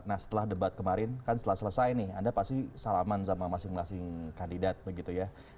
nah setelah debat kemarin kan setelah selesai nih anda pasti salaman sama masing masing kandidat begitu ya